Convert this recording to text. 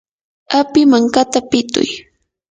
api mankata pituy.